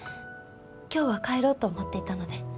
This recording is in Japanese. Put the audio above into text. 今日は帰ろうと思っていたので。